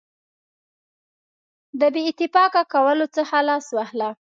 د بې اتفاقه کولو څخه لاس واخله.